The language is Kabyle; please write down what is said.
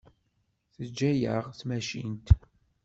Teǧǧa-yaɣ tmacint.